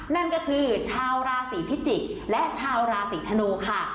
นั่นก็คือชาวราศีพิจิกษ์และชาวราศีธนูค่ะ